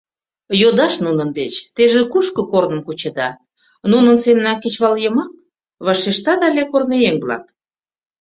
Йодаш нунын деч: «Теже кушко корным кучеда?» — «Нунын семынак кечывалйымак!» — вашештат ыле корныеҥ-влак.